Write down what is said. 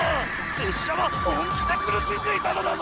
拙者は本気で苦しんでいたのだぞ！